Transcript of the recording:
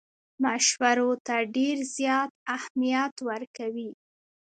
مشورو ته ډېر زیات اهمیت ورکوي.